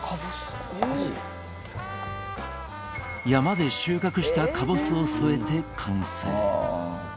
山で収穫したカボスを添えて完成。